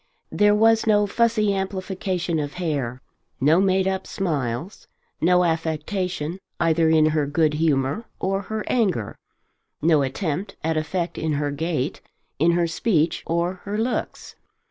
There was no fussy amplification of hair, no made up smiles, no affectation either in her good humour or her anger, no attempt at effect in her gait, in her speech, or her looks.